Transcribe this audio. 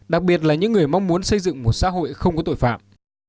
đặc biệt là những người mong muốn xây dựng một xã hội không có tội phạm